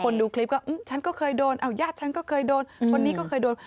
ดูคลิปก็ฉันก็เคยโดนเอาญาติฉันก็เคยโดนคนนี้ก็เคยโดน